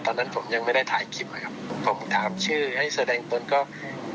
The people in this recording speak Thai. ตอนนั้นผมยังไม่ได้ถ่ายคลิปครับผมถามชื่อให้แสดงตนก็ไม่มีตอบรับหนังในคลิปหนึ่งครับ